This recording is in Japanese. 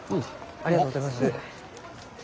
ありがとうございます。